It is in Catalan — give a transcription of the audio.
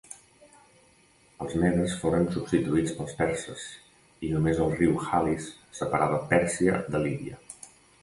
Els medes foren substituïts pels perses i només el riu Halis separava Pèrsia de Lídia.